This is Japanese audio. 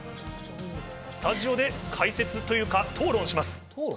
スタジオで解説というか討論します。